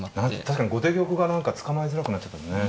確かに後手玉が何か捕まえづらくなっちゃったんだね。